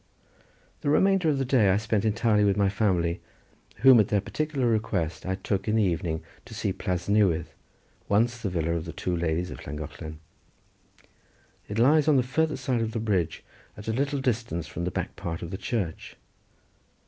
The remainder of the day I spent entirely with my family, whom at their particular request I took in the evening to see Plas Newydd, once the villa of the two ladies of Llangollen. It lies on the farther side of the bridge, at a little distance from the back part of the church.